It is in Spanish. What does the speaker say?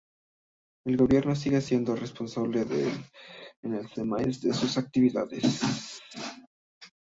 El Gobierno sigue siendo responsable ante el Seimas de sus actividades.